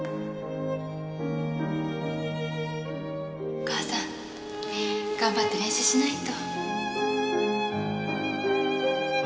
お母さん頑張って練習しないと。